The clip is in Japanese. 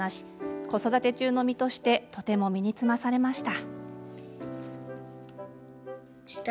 子育て中の身としてとても身につまされました。